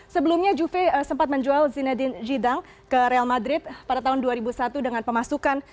sebelumnya juve sempat menjual zinedin jidang ke real madrid pada tahun dua ribu satu dengan pemasukan